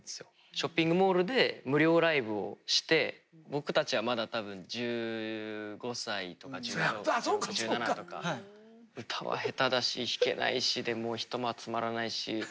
ショッピングモールで無料ライブをして僕たちはまだ多分１５歳とか１６歳１７とか歌は下手だし弾けないしでもう人も集まらないし。